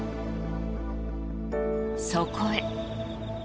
そこへ。